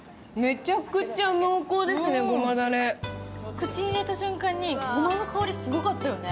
口に入れた瞬間にごまの香りすごかったよね。